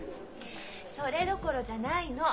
それどころじゃないの。